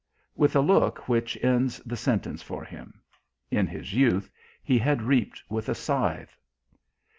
with a look which ends the sentence for him! In his youth he had reaped with a scythe.